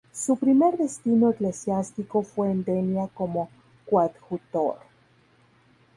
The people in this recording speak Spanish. Su primer destino eclesiástico fue en Denia como coadjutor.